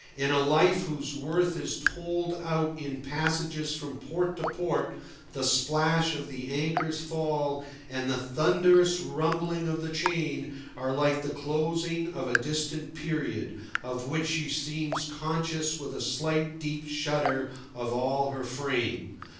In a life whose worth is told out in passages from port to port, the splash of the anchor's fall and the thunderous rumbling of the chain are like the closing of a distinct period, of which she seems conscious with a slight deep shudder of all her frame.